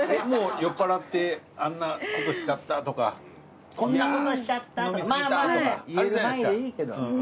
酔っ払ってあんなことしちゃったとかいや飲みすぎたとかあるじゃないですか。